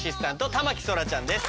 田牧そらちゃんです。